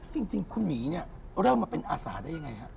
จริงคุณหมีเนี่ยเริ่มมาเป็นอาสาได้ยังไงฮะ